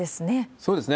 そうですね。